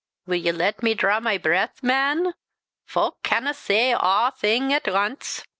Wull ye let me draw my breath, man? Fowk canna say awthing at ance.